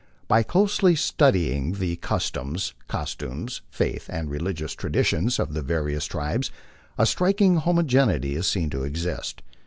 By closely studying the customs, costumes, faith, and religious traditions of the various tribes, a striking homo geneity is seen to exist.